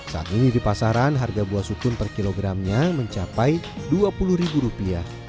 saat ini di pasaran harga buah sukun per kilogramnya mencapai rp dua puluh